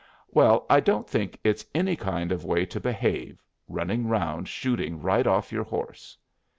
"Well, I don't think it's any kind of way to behave, running around shooting right off your horse."